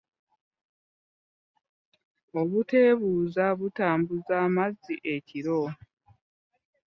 Obutebuuza butambuza amazzi ekiro .